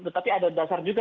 tetapi ada dasar juga